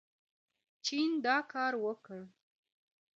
چین دا کار وکړ.